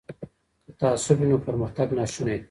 که تعصب وي نو پرمختګ ناشونی دی.